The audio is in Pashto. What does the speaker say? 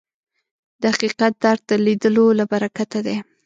د حقیقت درک د لیدلو له برکته دی